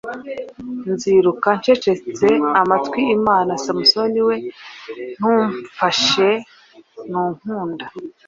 Nziruka, ncecekeshe amatwi imana! Samusoni we, ntumfashe; Ntunkunda!